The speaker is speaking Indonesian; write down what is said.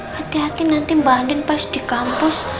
hati hati nanti mbak andin pas di kampus